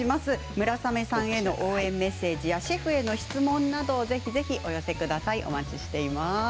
村雨さんへの応援メッセージやシェフへの質問などをお寄せください。